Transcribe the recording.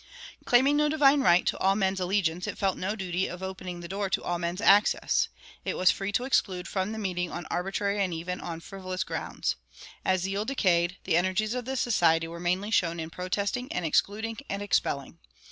Claiming no divine right to all men's allegiance, it felt no duty of opening the door to all men's access. It was free to exclude from the meeting on arbitrary and even on frivolous grounds. As zeal decayed, the energies of the Society were mainly shown in protesting and excluding and expelling.